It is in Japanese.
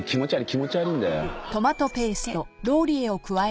気持ち悪いんだよ。